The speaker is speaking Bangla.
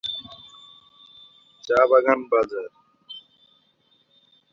চা বাগান বাজার।